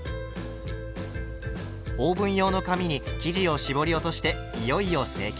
オーブン用の紙に生地を絞り落としていよいよ成形。